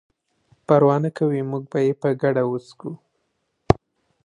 پروا نه کوي موږ به یې په ګډه وڅښو.